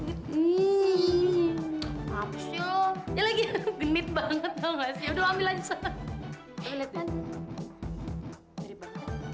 gini ngapain sih lo ya lagi genit banget tahu nggak sih udah ambil aja